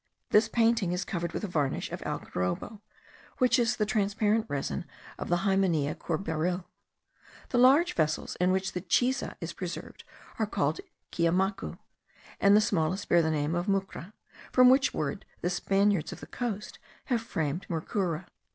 This painting is covered with a varnish of algarobo, which is the transparent resin of the Hymenaea courbaril. The large vessels in which the chiza is preserved are called ciamacu, the smallest bear the name of mucra, from which word the Spaniards of the coast have framed murcura.